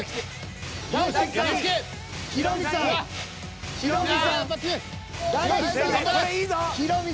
ヒロミさん強い。